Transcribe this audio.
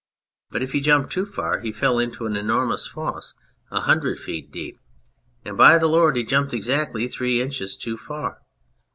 But if he jumped too far he fell into an enormous fosse a hundred feet deep. And, by the Lord, he jumped exactly three inches too far